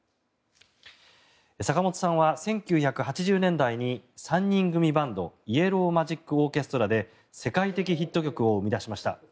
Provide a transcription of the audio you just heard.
坂本さんは１９８０年代に３人組バンドイエロー・マジック・オーケストラで世界的ヒット曲を生み出しました。